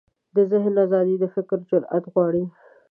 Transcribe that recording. د ذهن ازادي د فکر جرئت غواړي.